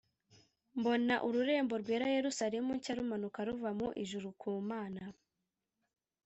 Mbona ururembo rwera Yerusalemu nshya rumanuka ruva mu ijuru ku Mana,